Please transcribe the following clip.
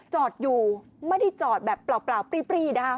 จอดอยู่ไม่ได้จอดแบบเปล่าปรี้นะคะ